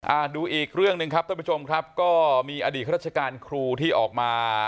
ดูอีกเรื่องหนึ่งครับท่านผู้ชมครับก็มีอดีตราชการครูที่ออกมา